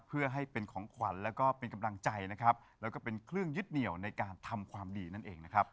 เพื่อให้เป็นของขวัญแล้วก็เป็นกำลังใจนะครับแล้วก็เป็นเครื่องยึดเหนียวในการทำความดีนั่นเองนะครับ